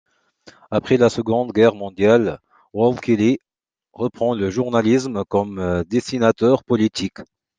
Après la Seconde Guerre mondiale, Walt Kelly reprend le journalisme comme dessinateur politique.